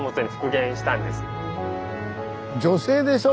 女性でしょ？